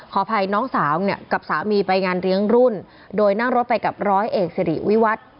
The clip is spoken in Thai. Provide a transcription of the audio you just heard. อภัยน้องสาวเนี่ยกับสามีไปงานเลี้ยงรุ่นโดยนั่งรถไปกับร้อยเอกสิริวิวัตร